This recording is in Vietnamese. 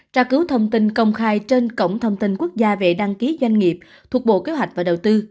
tra cứu thông tin công khai trên cổng thông tin quốc gia về đăng ký doanh nghiệp thuộc bộ kế hoạch và đầu tư